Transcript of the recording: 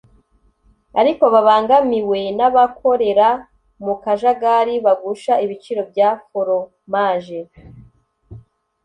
ariko babangamiwe n’abakorera mu kajagari bagusha ibiciro bya foromaje